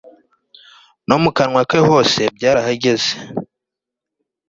no mu kanwa ke hose byarahageze